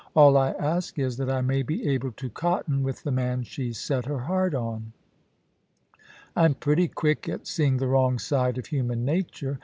All I ask is that I may be able to cotton with the man she's set her heart on. I'm pretty quick at seeing the wrong side of human nature.